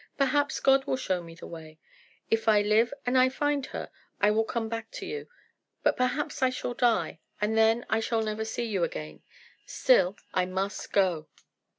"Perhaps God will show me the way. If I live and I find her, I will come back to you; but perhaps I shall die, and then I shall never see you again. Still I must go."